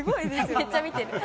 めっちゃ見てる。